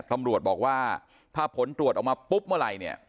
ตำรวจบอกว่าถ้าผลตรวจออกมาปุ๊บเมื่อไหร่เนี่ย